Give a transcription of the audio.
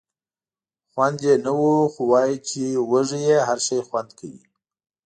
خونده یې نه وه خو وایي چې وږی یې هر شی خوند کوي.